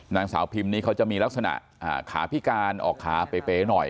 นางสาวพิมนี่เขาจะมีลักษณะขาพิการออกขาเป๋หน่อย